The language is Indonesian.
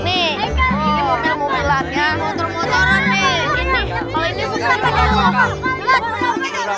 ini apa tuh satu tiga ribu